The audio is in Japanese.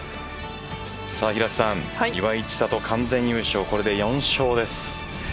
平瀬さん、岩井千怜完全優勝、これで４勝です。